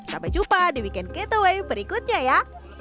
sampai jumpa di weekend gateway berikutnya ya